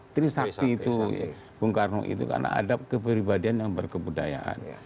trisakti itu bung karno itu karena ada kepribadian yang berkebudayaan